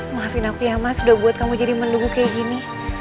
maafin aku ya mas udah buat kamu jadi menunggu kayak gini